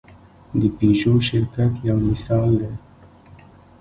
د پيژو شرکت یو مثال دی.